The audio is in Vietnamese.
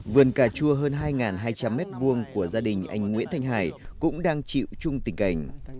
vườn cà chua hơn hai hai trăm linh mét vuông của gia đình anh nguyễn thành hải cũng đang chịu chung tình cảnh